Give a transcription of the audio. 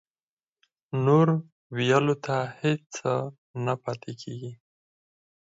نور ویلو ته هېڅ څه نه پاتې کېږي